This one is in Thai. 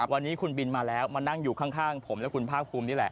วันนี้คุณบินมาแล้วมานั่งอยู่ข้างผมและคุณภาคภูมินี่แหละ